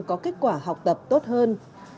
có kết quả học tập tốt hơn